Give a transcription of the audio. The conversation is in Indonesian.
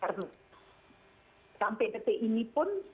karena sampai detik ini pun